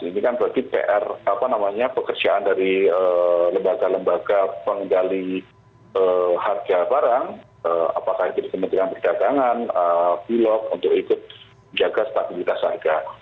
ini kan berarti pr apa namanya pekerjaan dari lembaga lembaga pengendali harga barang apakah itu di kementerian perdagangan bulog untuk ikut menjaga stabilitas harga